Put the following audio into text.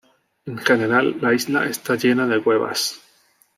En general la isla está llena de cuevas.